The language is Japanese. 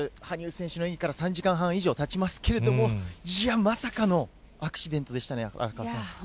羽生選手の演技から３時間半以上たちますけれども、いや、まさかのアクシデントでしたね、荒川さん。